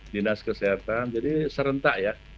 dinas kesehatan jadi serentak ya